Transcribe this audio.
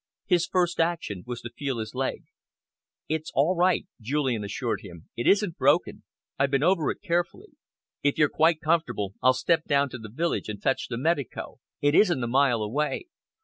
His first action was to feel his leg. "That's all right," Julian assured him. "It isn't broken. I've been over it carefully. If you're quite comfortable, I'll step down to the village and fetch the medico. It isn't a mile away."